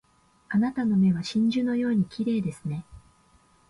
あなたの目は真珠のように綺麗ですね